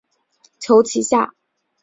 求其下